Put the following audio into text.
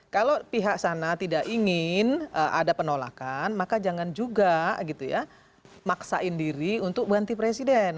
kalau pihak sana tidak ingin ada penolakan maka jangan juga gitu ya maksain diri untuk ganti presiden